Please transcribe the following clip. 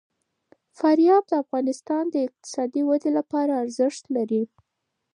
فاریاب د افغانستان د اقتصادي ودې لپاره ارزښت لري.